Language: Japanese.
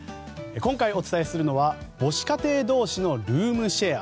今回、お伝えするのは母子家庭同士のルームシェア。